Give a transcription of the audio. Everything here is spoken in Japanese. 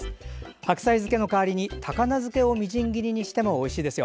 白菜漬けの代わりに高菜漬けをみじん切りにしてもおいしいですよ。